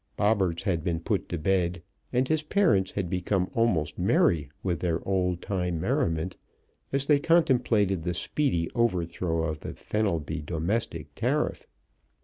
Bobberts had been put to bed, and his parents had become almost merry with their old time merriment as they contemplated the speedy over throw of the Fenelby Domestic Tariff.